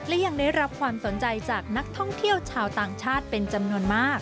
และยังได้รับความสนใจจากนักท่องเที่ยวชาวต่างชาติเป็นจำนวนมาก